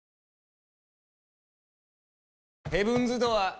ヘブンズ・ドアー。